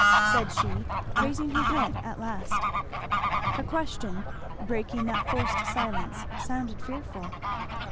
said she raising her head at last. Her question, breaking that forced silence, sounded fearful.